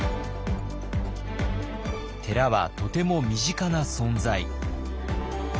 寺はとても身近な存在。